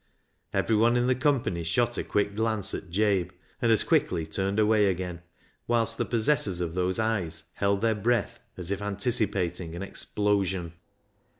Everyone in the company shot a quick glance at Jabe, and as quickly turned away again, whilst the possessors of those eyes held their breath as if anticipating an explosion.